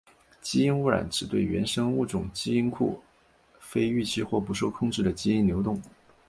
基因污染指对原生物种基因库非预期或不受控制的基因流动。